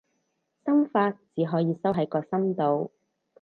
心法，只可以收喺個心度